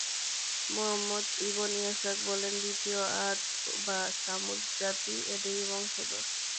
Muhammad ibn Ishaq বলেন, দ্বিতীয় আদ বা ছামূদ জাতি এদেরই বংশধর।